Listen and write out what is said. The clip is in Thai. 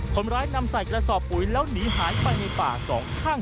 คนร้ายนำใส่กระสอบปุ๋ยแล้วหนีหายไปในป่าสองข้าง